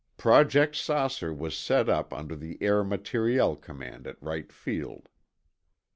Project "Saucer" was set up under the Air Materiel Command at Wright Field.